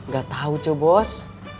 gak tau cuh bos